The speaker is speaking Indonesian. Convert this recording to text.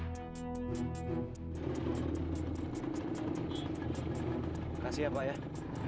terima kasih pak